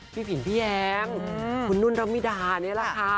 พี่ผินพี่แย้มคุณนุ่นระมิดานี่แหละค่ะ